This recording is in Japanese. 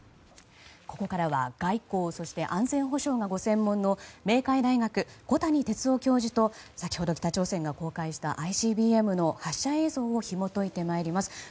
ここからは外交そして安全保障がご専門の明海大学、小谷哲男教授と先ほど北朝鮮が公開したＩＣＢＭの発射映像をひも解いて参ります。